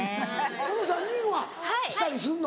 この３人はしたりするの？